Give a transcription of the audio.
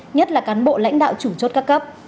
nhất là cán bộ lãnh đạo chủ chốt các cấp